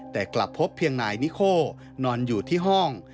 แต่กลับพบเพียงนายนิโคนอนอยู่ที่ห้อง